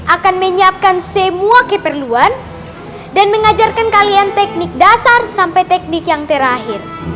akan menyiapkan semua keperluan dan mengajarkan kalian teknik dasar sampai teknik yang terakhir